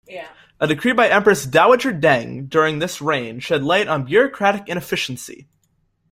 A decree by Empress Dowager Deng during this reign shed light on bureaucratic inefficiency.